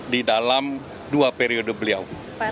di dalam dua periode beliau